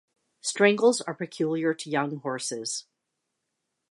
Strangles are peculiar to young horses.